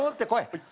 はい。